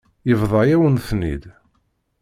Yebḍa-yawen-ten-id.